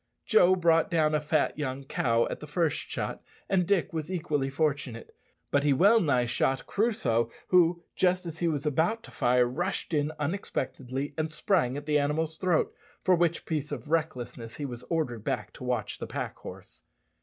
Joe brought down a fat young cow at the first shot, and Dick was equally fortunate. But he well nigh shot Crusoe, who, just as he was about to fire, rushed in unexpectedly and sprang at the animal's throat, for which piece of recklessness he was ordered back to watch the pack horse.